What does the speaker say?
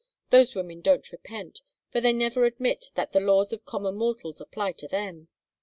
Those women don't repent, for they never admit that the laws of common mortals apply to them.